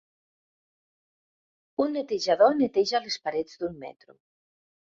Un netejador neteja les parets d'un metro.